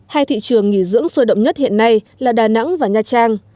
hai thị trường nghỉ dưỡng xôi động nhất hiện nay là đà nẵng và nhà trang